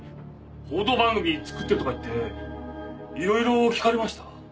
報道番組作ってるとか言って色々聞かれました。